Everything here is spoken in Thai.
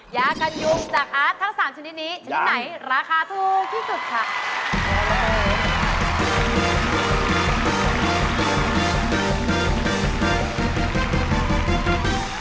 ยากันยุงจากอาร์ตทั้ง๓ชนิดนี้ชนิดไหนราคาถูกที่สุดค่ะ